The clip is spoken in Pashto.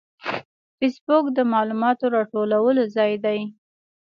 فېسبوک د معلوماتو د راټولولو ځای دی